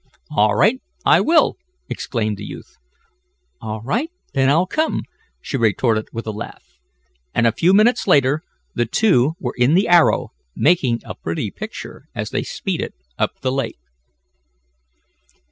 "All right, I will!" exclaimed the youth. "All right, then I'll come!" she retorted with a laugh, and a few minutes later the two were in the Arrow, making a pretty picture as they speeded up the lake.